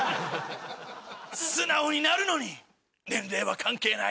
素直になるのに年齢は関係ない。